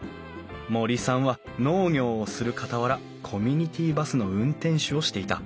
森さんは農業をするかたわらコミュニティーバスの運転手をしていた。